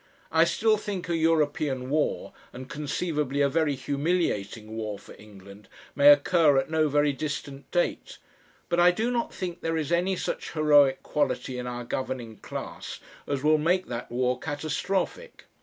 I still think a European war, and conceivably a very humiliating war for England, may occur at no very distant date, but I do not think there is any such heroic quality in our governing class as will make that war catastrophic.